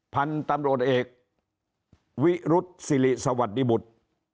พันธุ์ตำรวจเอกวิรุษศิริสวัสดิบุตร